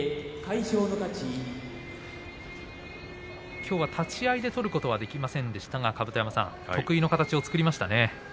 きょうは立ち合いで取ることができませんでしたが甲山さん得意の形を作りましたね。